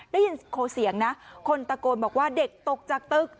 ได้ยินโคเสียงนะคนตะโกนบอกว่าเด็กตกจากตึก